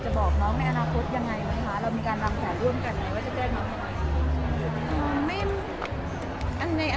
แต่ว่าก็ตอนนี้ยังไม่ได้ตัดสินใจเลือกขนาดนี้ค่ะ